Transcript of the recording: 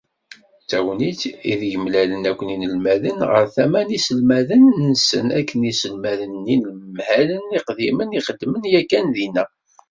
D tagnit ideg mlalen akk yinelmaden ɣer tama n yiselmaden-nsen akked yiselmaden d yinemhalen iqdimen i ixedmen yakan dinna.